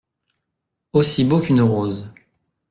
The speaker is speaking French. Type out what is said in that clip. Aussi beau qu’une rose.